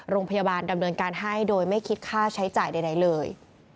โรงพยาบาลดำเนินการให้โดยไม่คิดค่าใช้จ่ายใดเลย